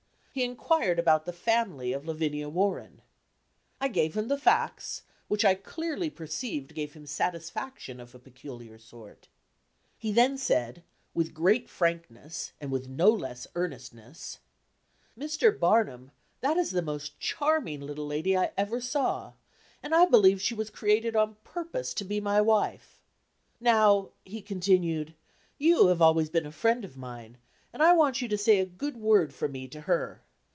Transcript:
He inquired about the family of Lavinia Warren. I gave him the facts, which I clearly perceived gave him satisfaction of a peculiar sort. He then said, with great frankness, and with no less earnestness: "Mr. Barnum, that is the most charming little lady I ever saw, and I believe she was created on purpose to be my wife! Now," he continued, "you have always been a friend of mine, and I want you to say a good word for me to her.